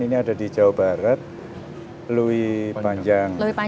ini ada di jawa barat louis panjang